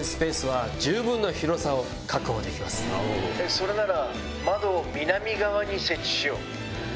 それなら。